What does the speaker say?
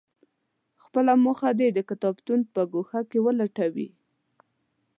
خپله موخه دې د کتابتون په ګوښه کې ولټوي.